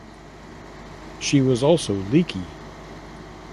She was also leaky.